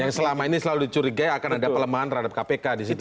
yang selama ini selalu dicurigai akan ada pelemahan terhadap kpk disitu